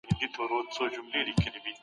اقتصاد پوهانو د پرمختګ لپاره نوي شرایط وټاکل.